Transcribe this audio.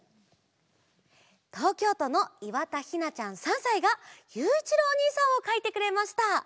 とうきょうとのいわたひなちゃん３さいがゆういちろうおにいさんをかいてくれました！